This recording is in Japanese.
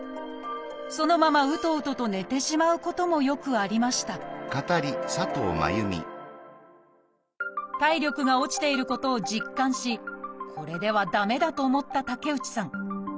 そのままうとうとと寝てしまうこともよくありました体力が落ちていることを実感しこれでは駄目だと思った竹内さん。